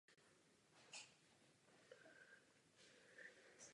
Zahájení projektu bylo zásadně podpořeno tehdejším ředitelem divadla Danielem Dvořákem.